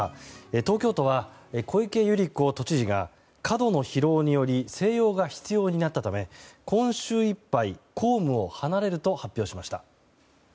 東京都は、小池百合子知事が過度の疲労により静養が必要になったため今週いっぱい公務を離れると発表しました。